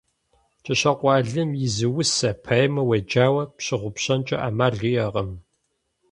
КӀыщокъуэ Алим и зы усэ, поэмэ уеджауэ пщыгъупщэнкӀэ Ӏэмал иӀэкъым.